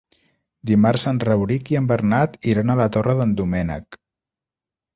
Dimarts en Rauric i en Bernat iran a la Torre d'en Doménec.